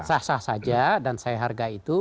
sah sah saja dan saya hargai itu